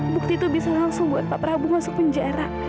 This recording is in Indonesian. bukti itu bisa langsung buat pak prabowo masuk penjara